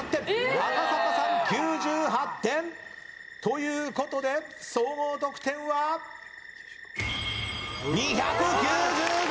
赤坂さん９８点。ということで総合得点は２９５点。